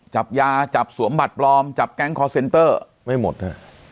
จับยาจับสวมบัตรปลอมจับแก๊งคอร์เซนเตอร์ไม่หมด